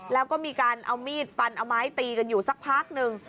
แล้วก็มีการเอามีดฟันเอาไม้ตีกันอยู่สักพักหนึ่ง